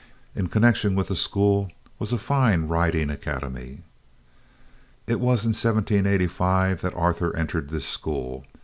In connection with the school was a fine riding academy. It was in 1785 that Arthur entered this school.